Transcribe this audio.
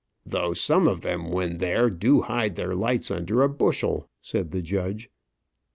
"Though some of them when there do hide their lights under a bushel," said the judge.